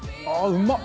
うまっ！